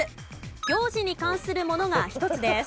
行事に関するものが１つです。